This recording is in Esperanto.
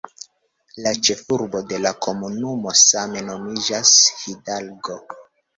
La ĉefurbo de la komunumo same nomiĝas "Hidalgo".